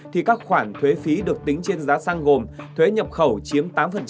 thì các khoản thuế phí được tính trên giá xăng gồm thuế nhập khẩu chiếm tám